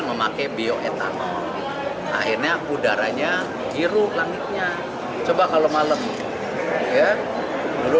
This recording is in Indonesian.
yang memakai bioetanol akhirnya udaranya biru langitnya coba kalau malam ya dulu